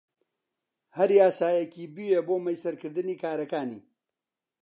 هەر یاسایەکی بوێ بۆ مەیسەرکردنی کارەکانی